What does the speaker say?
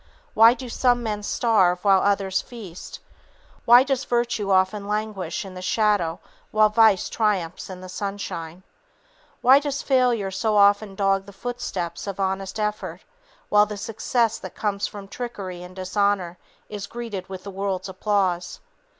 Why do some men starve while others feast; why does virtue often languish in the shadow while vice triumphs in the sunshine; why does failure so often dog the footsteps of honest effort, while the success that comes from trickery and dishonor is greeted with the world's applause?